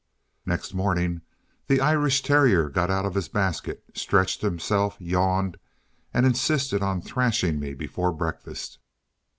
Next morning, the Irish terrier got out of his basket, stretched himself, yawned, and insisted on thrashing me before breakfast.